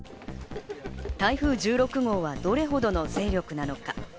台風１６号はどれほどの勢力なのか。